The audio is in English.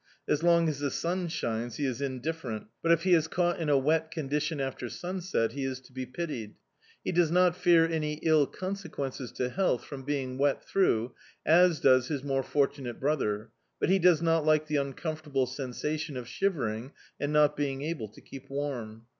As long as the sun shines be is indifferent, but if he is caught in a wet condition after sunset he is to be pitied. He does not fear any ill conse quences to health from being wet through, as does his more fortunate brother, but he does not like the uncomfortable sensation of shivering and not being able to keep warm.